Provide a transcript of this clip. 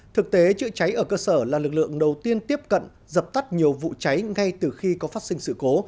thực tế chữa cháy ở cơ sở là lực lượng đầu tiên tiếp cận dập tắt nhiều vụ cháy ngay từ khi có phát sinh sự cố